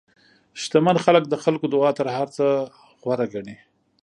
شتمن خلک د خلکو دعا تر هر څه غوره ګڼي.